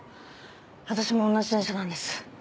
私も同じ電車なんです。